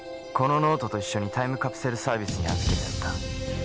このノートと一緒にタイムカプセルサービスに預けてあった。